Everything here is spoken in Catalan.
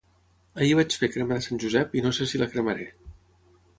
Ahir vaig fer crema de Sant Josep i no sé si la cremaré